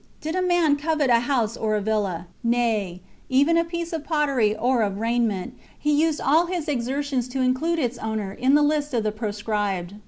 Did a man covet a house or villa, nay, even a piece of pottery or of raiment, he used all his exertions to include its owner in the list of the pro scribed.